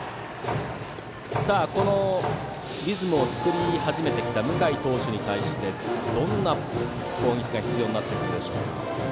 このリズムを作り始めてきた向井投手に対してどんな攻撃が必要になってくるでしょうか。